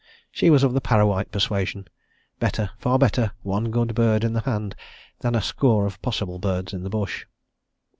She was of the Parrawhite persuasion better, far better one good bird in the hand than a score of possible birds in the bush.